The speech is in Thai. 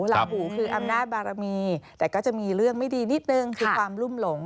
ลาหูคืออำนาจบารมีแต่ก็จะมีเรื่องไม่ดีนิดนึงคือความรุ่มหลง